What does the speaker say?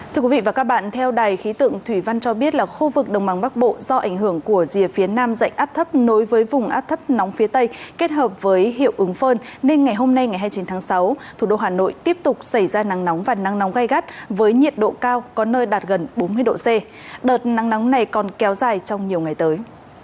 thưa quý vị và các bạn theo đài khí tượng thủy văn cho biết là khu vực đồng bằng bắc bộ do ảnh hưởng của rìa phía nam dạy áp thấp nối với vùng áp thấp nóng phía tây kết hợp với hiệu ứng phơn nên ngày hôm nay ngày hai mươi chín tháng sáu thủ đô hà nội tiếp tục xảy ra nắng nóng và nắng nóng gai gắt với nhiệt độ cao có nơi đạt gần bốn mươi độ c đợt nắng nóng này còn kéo dài trong nhiều ngày tới